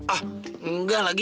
ah enggak lagi